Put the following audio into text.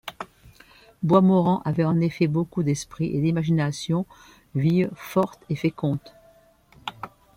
Boismorand avait en effet beaucoup d’esprit et l’imagination vive, forte et féconde.